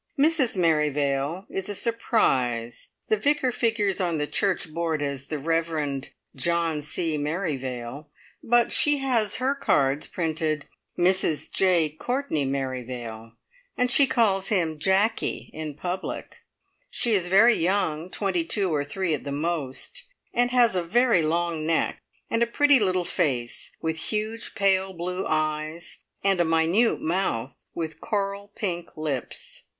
Mrs Merrivale is a surprise. The Vicar figures on the church board as the Reverend John C. Merrivale, but she has her cards printed, "Mrs J. Courtney Merrivale," and she calls him "Jacky" in public. She is very young twenty two or three at the most and has a very long neck and a pretty little face, with huge pale blue eyes, and a minute mouth with coral pink lips.